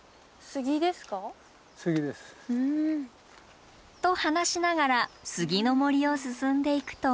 杉です。と話しながら杉の森を進んでいくと。